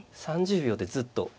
３０秒でずっと。